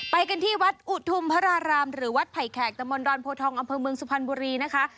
ไปกันที่วัดอุทุมพระรารามหรือวัดไผ่แขกตะมนดอนโพทองอำเภอเมืองสุพรรณบุรีนะคะ